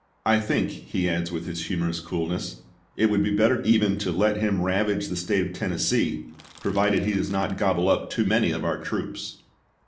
" I think," he adds, with his humorous coolness, "it would be better even to let him ravage the State of Tennessee, pro vided he does not gobble up too many of our troops."